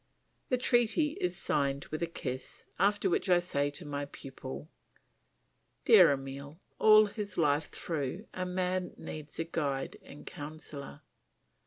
The treaty is signed with a kiss, after which I say to my pupil, "Dear Emile, all his life through a man needs a guide and counsellor.